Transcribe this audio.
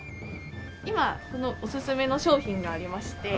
今このおすすめの商品がありまして。